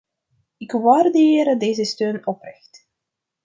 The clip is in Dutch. Ik waardeer deze steun oprecht.